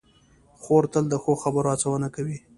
خور تل د ښو خبرو هڅونه کوي.